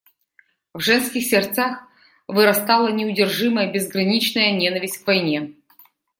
В женских сердцах вырастала неудержимая, безграничная ненависть к войне.